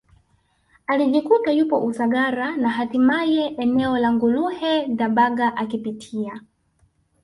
alijikuta yupo Usagara na hatimaye eneo la Nguluhe Dabaga akipitia